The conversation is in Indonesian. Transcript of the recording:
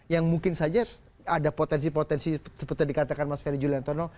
yang mungkin saja ada potensi potensi seperti yang dikatakan mas ferry juliantono